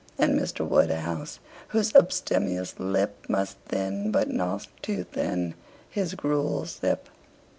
And Mr. Woodhouse, whose abstemious lip Must thin, but not too thin, his gruel sip.